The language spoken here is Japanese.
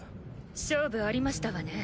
勝負ありましたわね。